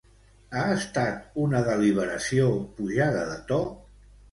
Ha estat una deliberació pujada de to?